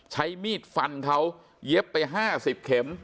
ใช้มีดฟันเขาเย็บไปห้าสิบเข็ม